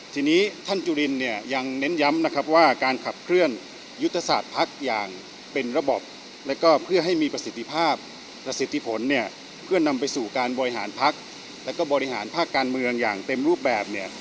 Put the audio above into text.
ทีนี้ท่านจุลินเนี่ยยังเน้นย้ำนะครับว่าการขับเคลื่อนยุทธศาสตร์พักอย่างเป็นระบบแล้วก็เพื่อให้มีประสิทธิภาพประสิทธิผลเนี่ยเพื่อนำไปสู่การบริหารพักแล้วก็บริหารภาคการเมืองอย่างเต็มรูปแบบเนี่ย